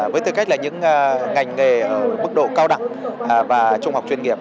với tư cách là những ngành nghề mức độ cao đẳng và trung học chuyên nghiệp